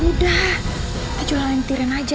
udah kita jualan tiran aja